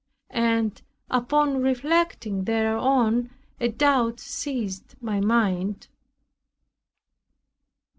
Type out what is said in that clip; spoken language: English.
And upon reflecting thereon a doubt seized my mind.